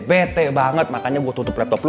bete banget makanya gue tutup laptop dulu